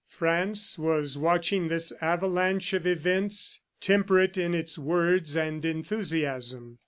France was watching this avalanche of events, temperate in its words and enthusiasm.